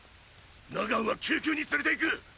ナガンは救急に連れていく！